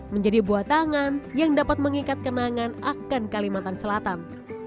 menjadi buatangan yang dapat mengikat kenangan akan kalimantan selatan